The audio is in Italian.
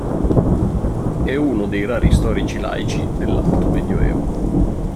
È uno dei rari storici laici dell'Alto Medioevo.